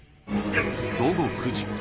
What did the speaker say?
午後９時。